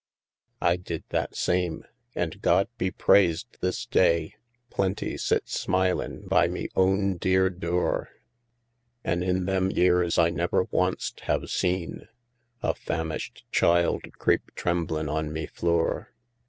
"I did that same: an' God be prais'd this day! Plenty sits smilin' by me own dear dure: An' in them years I never wanst have seen A famished child creep tremblin' on me flure!"